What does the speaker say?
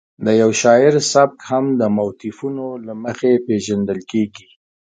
د یو شاعر سبک هم د موتیفونو له مخې پېژندل کېږي.